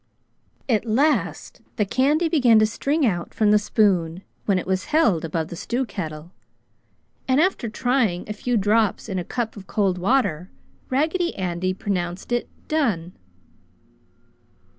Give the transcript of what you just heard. At last the candy began to string out from the spoon when it was held above the stew kettle, and after trying a few drops in a cup of cold water, Raggedy Andy pronounced it "done."